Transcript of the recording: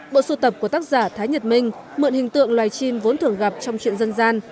bộ sưu tập của tác giả thái nhật minh mượn hình tượng loài chim vốn thường gặp trong chuyện dân gian